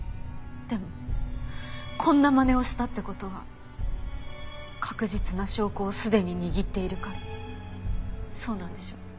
でもこんなまねをしたって事は確実な証拠をすでに握っているからそうなんでしょ？